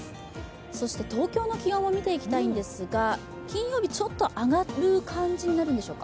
そして東京の気温も見ていきたいんですが、金曜日、ちょっと上がる感じになるんでしょうか。